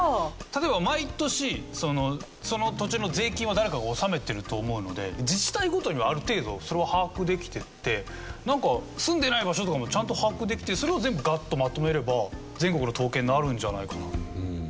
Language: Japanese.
例えば毎年その土地の税金は誰かが納めてると思うので自治体ごとにはある程度それは把握できててなんか住んでない場所とかもちゃんと把握できてそれを全部ガッとまとめれば全国の統計になるんじゃないかな。